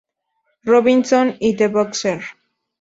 Robinson", y "The Boxer".